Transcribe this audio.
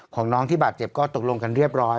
ของน้องที่บาดเจ็บก็ตกลงกันเรียบร้อย